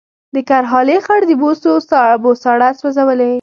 د کرهالې خړ د بوسو بوساړه سوځولې